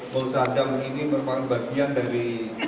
bolsa jam ini merupakan bagian dari